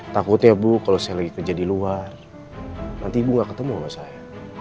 takutnya bu kalau saya lagi kerja di luar nanti ibu nggak ketemu sama saya